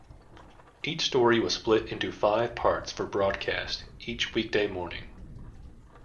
Each story was split into five parts for broadcast each weekday morning.